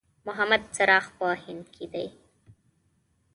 محمد چراغ په هند کې دی.